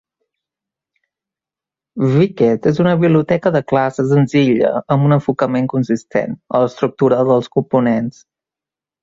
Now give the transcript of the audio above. Wicket és una biblioteca de classe senzilla amb un enfocament consistent en l'estructura dels components.